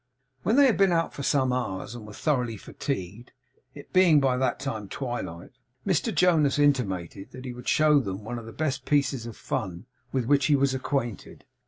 When they had been out for some hours and were thoroughly fatigued, it being by that time twilight, Mr Jonas intimated that he would show them one of the best pieces of fun with which he was acquainted.